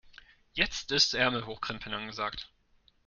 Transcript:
Jetzt ist Ärmel hochkrempeln angesagt.